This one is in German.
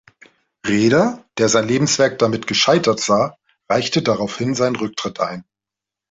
Raeder, der sein Lebenswerk damit gescheitert sah, reichte daraufhin seinen Rücktritt ein.